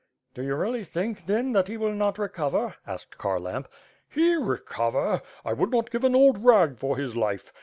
"Do you really think, then, that he will not recover?" asked Kharlamp. "He, recover! I would not give an old rag for his life.